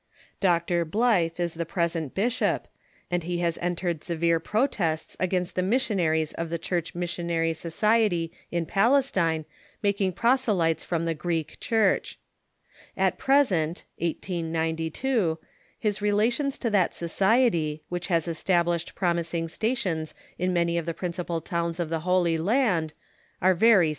Dr. Blyth is the present bishop, and he has entered severe protests against the missionaries of the Church Missionary Society in Palestine making i)rosclytes from the Greek Church. At present (1892) his relations to that society, which has established promising stations in many of the principal towns of the Holy Land, are very strained.* * See Dr. H. II.